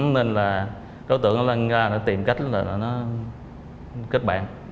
nên thành tìm cách kết bạn